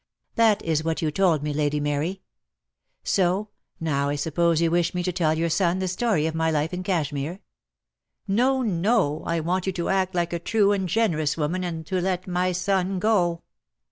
That is what you told me, Lady Mary; so, now I suppose you wish me to tell your son the story of my life in Cashmere?" .., "No, no, I want you to act like a true and generous woman, and to let my son go.